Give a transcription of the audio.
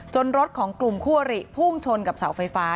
รถของกลุ่มคู่อริพุ่งชนกับเสาไฟฟ้า